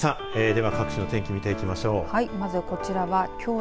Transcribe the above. では各地の天気見ていきましょう。